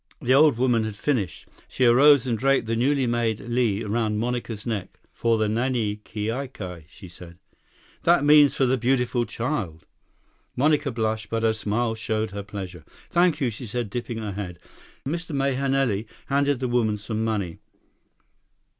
35 The old woman had finished. She arose and draped the newly made lei around Monica's neck. "For the nani keiki," she said. "That means for the 'beautiful child.'" Monica blushed, but her smile showed her pleasure. "Thank you," she said, dipping her head. Mr. Mahenili handed the woman some money.